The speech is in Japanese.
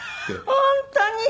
本当に？